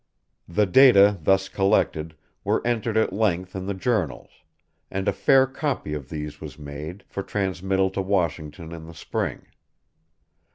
The data thus collected were entered at length in the journals; and a fair copy of these was made, for transmittal to Washington in the spring.